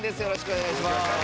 よろしくお願いします。